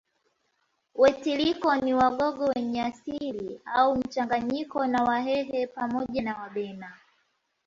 Wetiliko ni Wagogo wenye asili au mchanganyiko na Wahehe pamoja na Wabena